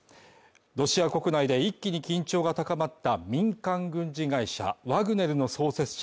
ロシア国内で一気に緊張が高まった民間軍事会社ワグネルの創設者